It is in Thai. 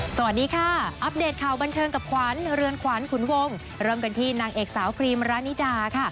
สวัสดีค่ะอัปเดตข่าวบันเทิงกับขวัญเรือนขวัญขุนวงเริ่มกันที่นางเอกสาวพรีมรานิดาค่ะ